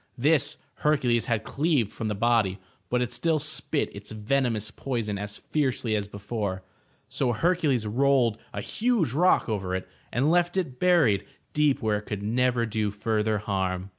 This Hercules had cleaved 'from the body, but it still spit its venomous poison as fiercely as before. So Hercules rolled a huge rock over it, and left it buried deep where it could never do further harm.